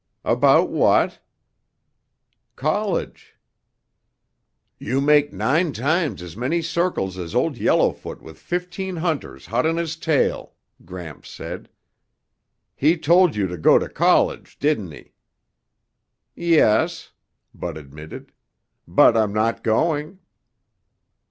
"About what?" "College." "You make nine times as many circles as Old Yellowfoot with fifteen hunters hot on his tail," Gramps said. "He told you to go to college, didn't he?" "Yes," Bud admitted. "But I'm not going."